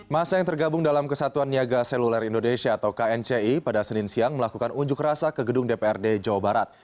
masa yang tergabung dalam kesatuan niaga seluler indonesia atau knci pada senin siang melakukan unjuk rasa ke gedung dprd jawa barat